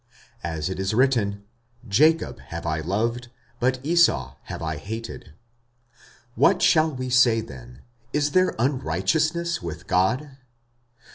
45:009:013 As it is written, Jacob have I loved, but Esau have I hated. 45:009:014 What shall we say then? Is there unrighteousness with God?